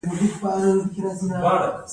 د مڼې ګل میله په وردګو کې ده.